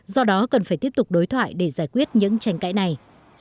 do đó cần phải tiếp tục đối thoại để giải quyết những tranh cãi này